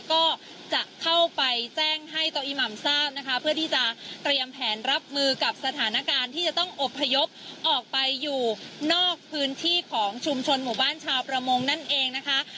ก็จะเข้าไปแจ้งให้โตอีหม่ำทราบนะคะเพื่อที่จะเตรียมแผนรับมือกับสถานการณ์ที่จะต้องอบพยพออกไปอยู่นอกพื้นที่ของชุมชนหมู่บ้านชาวประมงนั่นเองนะคะ